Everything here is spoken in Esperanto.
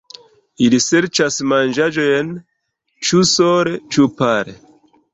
Ili serĉas manĝaĵon ĉu sole ĉu pare.